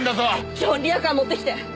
キョンリヤカー持ってきて！